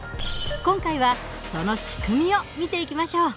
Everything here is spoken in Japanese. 今回はその仕組みを見ていきましょう。